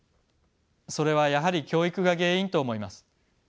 それはやはり教育が原因と思います。